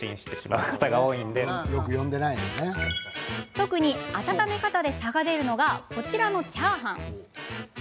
特に、温め方で差が出るのがこちらのチャーハン。